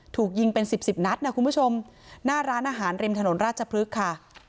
ถูกยิงเป็นสิบสิบนัดนะคุณผู้ชมหน้าร้านอาหารริมถนนราชพฤกษ์ค่ะ